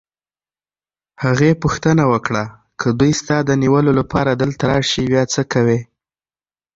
هغې پوښتنه وکړه: که دوی ستا د نیولو لپاره دلته راشي، بیا څه کوې؟